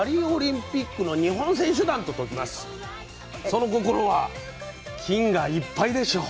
その心は「金」がいっぱいでしょう。